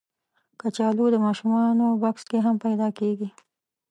کچالو د ماشومانو بکس کې هم پیدا کېږي